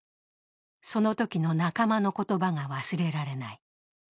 そのときの仲間の言葉が忘れられない。